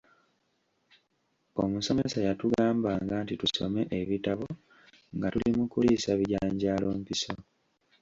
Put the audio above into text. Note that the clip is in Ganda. Omusomesa yatugambanga nti tusome ebitabo nga tuli mu kuliisa bijanjalo mpiso